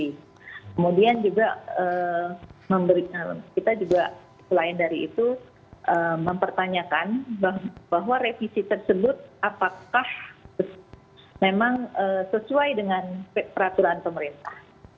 kemudian juga memberikan kita juga selain dari itu mempertanyakan bahwa revisi tersebut apakah memang sesuai dengan peraturan pemerintah